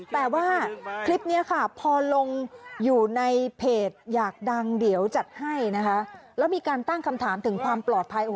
แต่ว่าคลิปนี้ค่ะพอลงอยู่ในเพจอยากดังเดี๋ยวจัดให้นะคะแล้วมีการตั้งคำถามถึงความปลอดภัย